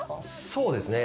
そうですね